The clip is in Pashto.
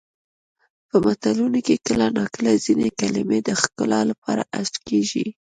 په متلونو کې کله ناکله ځینې کلمې د ښکلا لپاره حذف کیږي